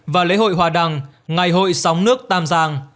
và lễ hội hòa đằng ngày hội sóng nước tam giang